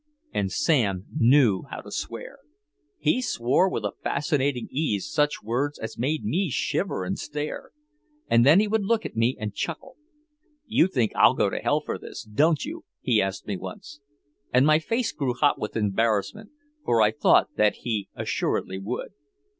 And Sam knew how to swear. He swore with a fascinating ease such words as made me shiver and stare. And then he would look at me and chuckle. "You think I'll go to hell for this, don't you," he asked me once. And my face grew hot with embarrassment, for I thought that he assuredly would.